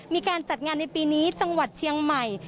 มีการจัดงานในปีนี้จังหวัดเชียงใหม่